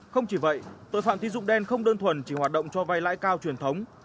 không chỉ vậy tội phạm tín dụng đen không đơn thuần chỉ hoạt động cho vay lãi cao truyền thống